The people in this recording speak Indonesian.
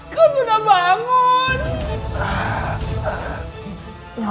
kau sudah bangun